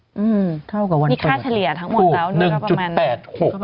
นี่ค่าเฉลี่ยทั้งหมดแล้ว